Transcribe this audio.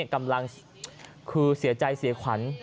กำลังคือเสียใจเสียขวัญ